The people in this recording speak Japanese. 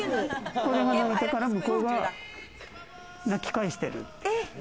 これが鳴いたから向こうが鳴き返してる。